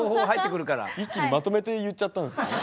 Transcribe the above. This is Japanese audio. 一気にまとめて言っちゃったんですね。